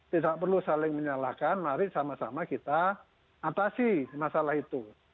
tidak perlu saling menyalahkan mari sama sama kita atasi masalah itu